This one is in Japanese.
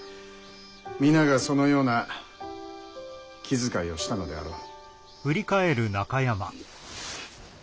皆がそのような気遣いをしたのであろう。